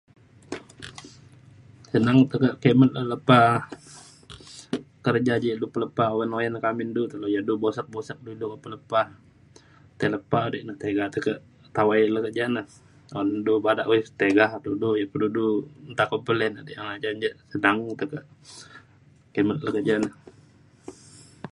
teneng teka kimet le lepa kerja ji ilu pa lepa oban le uyan ke amin du uyan du busek busek dulu pa lepa tai lepa di me tiga tekek tawai le kerja na. un du bada uish tiga de du. ya pe dedu nta ko plan di jane senang tekek kimet le kerja na.